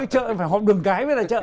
chợ phải họp đường cái với là chợ